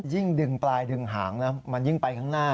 ยิ่งดึงปลายดึงหางนะมันยิ่งไปข้างหน้า